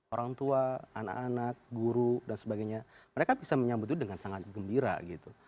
orang tua anak anak guru dan sebagainya mereka bisa menyambut itu dengan sangat gembira gitu